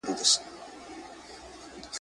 آیا علم یوازي د نارینه وو لپاره دئ؟